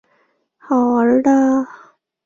教长区座堂位于维也纳新城。